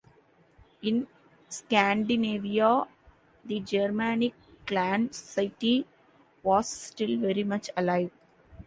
In Scandinavia, the Germanic clan society was still very much alive.